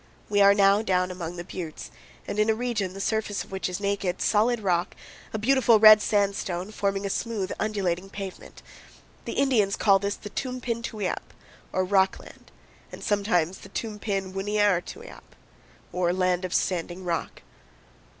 We are now down among the buttes, and in a region the surface of which is naked, solid rock a beautiful red sandstone, forming a smooth, undulating pavement. The Indians call this the Toom'pin Tuweap', or "Rock Land," and sometimes the Toom'pin wunear1 Tuweap', or "Land of Standing Rock."